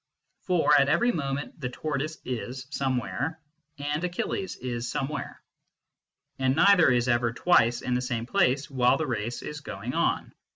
For at every moment the tortoise is somewhere and Achilles is some where ; and neither is ever twice in the same place while the race is going on.